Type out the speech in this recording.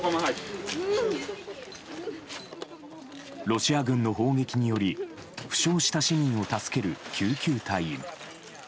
ロシア軍の砲撃により負傷した市民を助ける救急隊員。